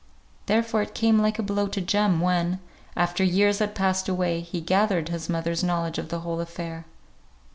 Therefore it came like a blow to Jem when, after years had passed away, he gathered his mother's knowledge of the whole affair.